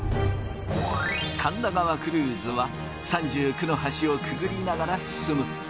神田川クルーズは３９の橋をくぐりながら進む。